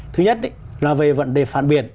thứ nhất là về vấn đề phản biệt